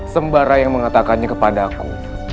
sembara yang mengatakannya kepadaku